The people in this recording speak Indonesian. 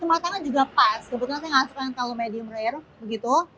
makanan juga pas kebetulan saya nggak suka yang terlalu medium rare begitu